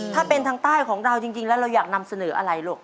ถ้าเป็นทางใต้ของเราจริงแล้วเราอยากนำเสนออะไรลูก